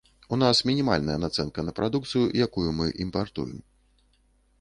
У нас мінімальная нацэнка на прадукцыю, якую мы імпартуем.